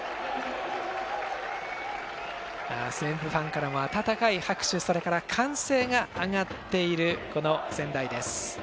西武ファンからも温かい拍手それから歓声が上がっているこの仙台です。